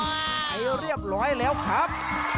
ไปเรียบร้อยแล้วครับ